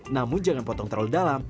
namun jangan potong terlalu dalam